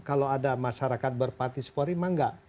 kalau ada masyarakat berpartisipatory memang enggak